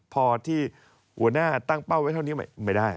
พอที่หัวหน้าตั้งเป้าไว้เท่านี้ไม่ได้